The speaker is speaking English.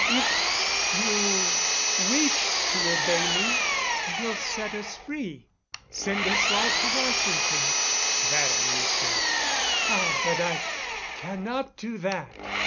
If you wish to obey me, you'll set us free send us all to Washington." That amused him. "Ah, but I cannot do that."